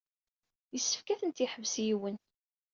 Yessefk ad ten-yeḥbes yiwen.